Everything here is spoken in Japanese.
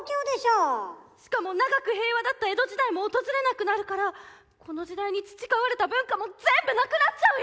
しかも長く平和だった江戸時代も訪れなくなるからこの時代に培われた文化も全部なくなっちゃうよ！